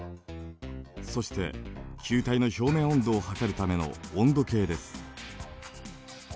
そして球体の表面温度を測るための温度計です。